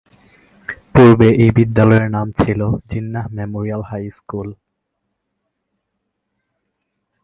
পূর্বে এই বিদ্যালয়ের নাম ছিল Jinnah memorial high school school.